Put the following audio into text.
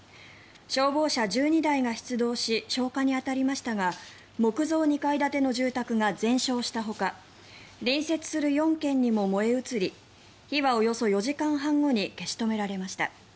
消防車１２台が出動し消火に当たりましたが木造２階建ての住宅が全焼したほか隣接する４軒にも燃え移り火はおよそ４時間半ごろに消し止められました。